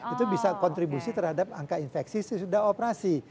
itu bisa kontribusi terhadap angka infeksi sesudah operasi